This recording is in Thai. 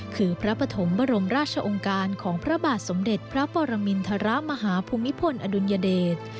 คือพระปฐมบรมราชองค์การของพระบาทสมเด็จพระปรมินทรมาฮภูมิพลอดุลยเดช